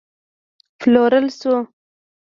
پلورل شو